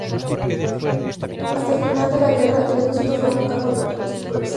Hasta el final de la guerra el depósito fue un campo de concentración improvisado.